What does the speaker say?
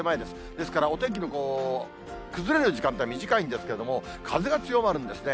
ですから、お天気の崩れる時間帯短いんですけれども、風が強まるんですね。